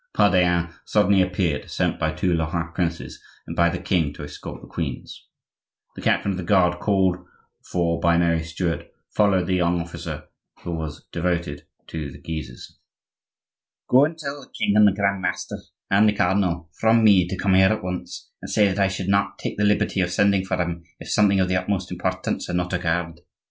Pardaillan suddenly appeared, sent by the two Lorrain princes and by the king to escort the queens. The captain of the guard called for by Mary Stuart followed the young officer, who was devoted to the Guises. "Go and tell the king and the grand master and the cardinal, from me, to come here at once, and say that I should not take the liberty of sending for them if something of the utmost importance had not occurred.